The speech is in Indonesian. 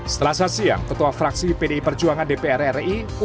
setelah sasiang ketua fraksi pdi perjuangan dpr ri